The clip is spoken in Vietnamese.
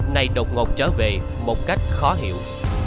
này đột ngột trở về một cách khó hiểu